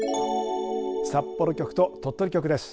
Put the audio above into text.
札幌局と鳥取局です。